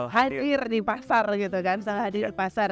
hadir di pasar gitu kan sama hadir di pasar